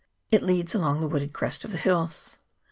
It leads along the wooded crest of the hills.